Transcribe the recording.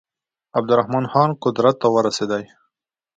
عبدالرحمن خان قدرت ته ورسېدی.